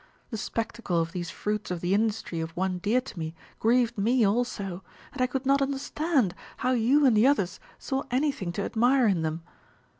The spectacle of these fruits of the industry of one dear to me grieved me also, and I could not understand how you and the others saw anything to admire in them.